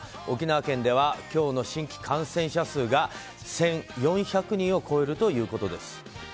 沖縄県では今日の新規感染者数が１４００人を超えるということです。